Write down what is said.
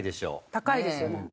高いですよね。